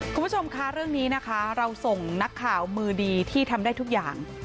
คุณผู้ชมคะเรื่องนี้นะคะเราส่งนักข่าวมือดีที่ทำได้ทุกอย่าง